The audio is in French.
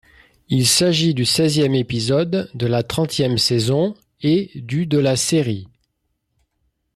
Il s'agit du seizième épisode de la trentième saison et du de la série.